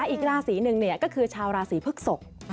อีกราศีหนึ่งก็คือชาวราศีพฤกษก